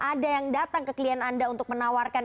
ada yang datang ke klien anda untuk menawarkan